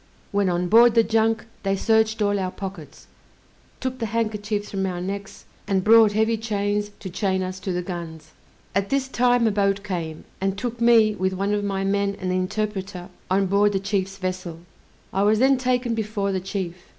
When on board the junk, they searched all our pockets, took the handkerchiefs from our necks, and brought heavy chains to chain us to the guns. At this time a boat came, and took me, with one of my men and the interpreter, on board the chief's vessel. I was then taken before the chief.